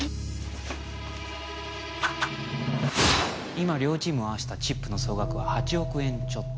今両チームを合わしたチップの総額は８億円ちょっと